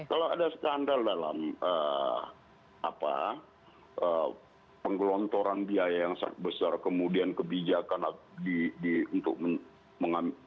kalau ada skandal dalam penggelontoran biaya yang sangat besar kemudian kebijakan untuk mengambil